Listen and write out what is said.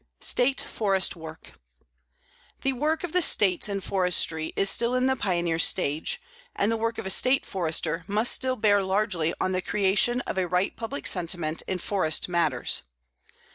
STATE FOREST WORK The work of the States in forestry is still in the pioneer stage, and the work of a State Forester must still bear largely on the creation of a right public sentiment in forest matters.